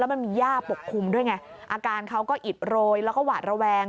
มันมีย่าปกคลุมด้วยไงอาการเขาก็อิดโรยแล้วก็หวาดระแวง